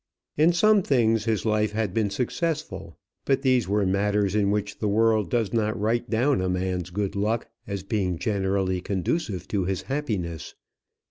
In some things his life had been successful; but these were matters in which the world does not write down a man's good luck as being generally conducive to his happiness.